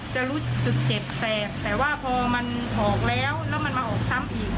จะรู้สึกเจ็บแสบแต่ว่าพอมันออกแล้วแล้วมันมาออกซ้ำอีก